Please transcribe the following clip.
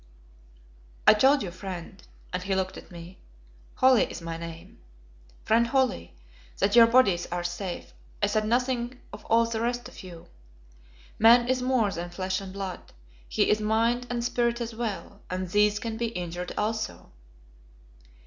"I told you, friend " and he looked at me. "Holly is my name "" friend Holly, that your bodies are safe. I said nothing of all the rest of you. Man is more than flesh and blood. He is mind and spirit as well, and these can be injured also."